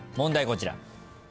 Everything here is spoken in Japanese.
こちら。